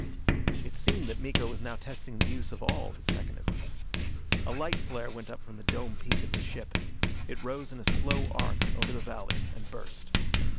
It seemed that Miko was now testing the use of all his mechanisms. A light flare went up from the dome peak of the ship. It rose in a slow arc over the valley, and burst.